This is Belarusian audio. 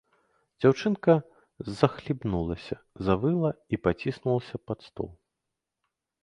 Дзяўчынка захлібнулася, завыла і паціснулася пад стол.